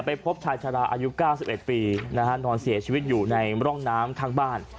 พบชายชาลาอายุ๙๑ปีนะฮะนอนเสียชีวิตอยู่ในร่องน้ำข้างบ้าน